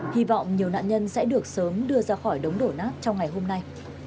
hy vọng nhiều nạn nhân sẽ được sớm đưa ra khỏi đống đổ nát trong ngày hôm nay